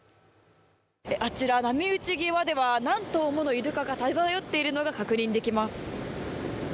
あちら、波打ち際では何頭もの、いるかが漂っているのが確認できます。